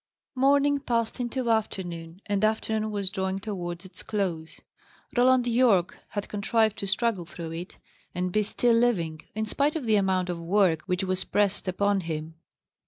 Morning passed into afternoon, and afternoon was drawing towards its close. Roland Yorke had contrived to struggle through it, and be still living, in spite of the amount of work which was pressed upon him.